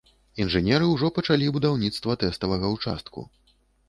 Інжынеры ўжо пачалі будаўніцтва тэставага ўчастку.